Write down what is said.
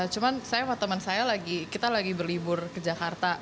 cuma saya sama teman saya kita lagi berlibur ke jakarta